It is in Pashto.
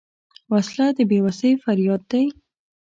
وسله د بېوسۍ فریاد دی